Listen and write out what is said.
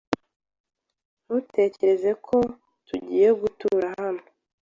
Natekereje ko tugiye gutura hano.